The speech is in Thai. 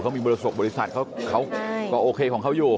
เขามีบริสุทธิ์ประโบริษัทก็โอเคของเขาอยู่